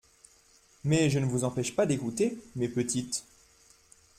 Mais je ne vous empêche pas d'écouter, mes petites.